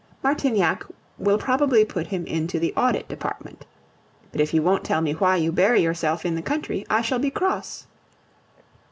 Martignac will probably put him into the audit department. But if you won't tell me why you bury yourself in the country, I shall be cross.